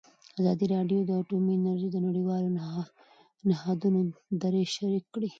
ازادي راډیو د اټومي انرژي د نړیوالو نهادونو دریځ شریک کړی.